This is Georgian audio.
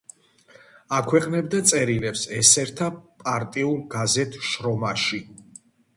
აქვეყნებდა წერილებს ესერთა პარტიულ გაზეთ „შრომაში“.